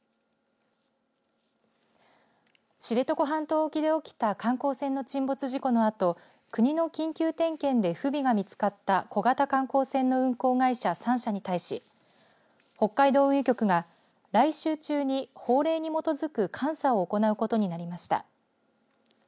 知床半島沖で起きた観光船の沈没事故のあと国の緊急点検で船が見つかった小型観光船の運航会社３社に対し北海道運輸局が来週中に法令に基づく監査を行うことになりました。